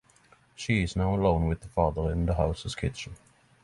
She is now alone with the father in the house's kitchen.